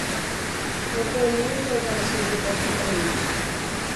E para mim um pedaço de torta paulista.